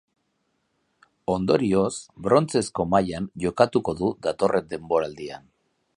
Ondorioz, brontzezko mailan jokatuko du datorren denboraldian.